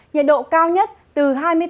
nhiệt độ cao nhất từ hai mươi tám